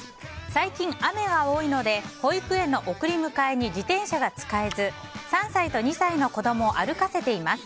最近、雨が多いので保育園の送り迎えに自転車が使えず３歳と２歳の子供を歩かせています。